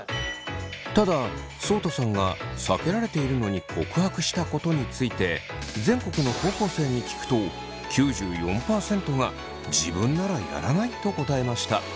ただそうたさんが避けられているのに告白したことについて全国の高校生に聞くと９４％が自分ならやらないと答えました。